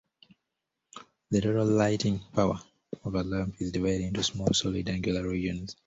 The total lighting power of a lamp is divided into small solid angular regions.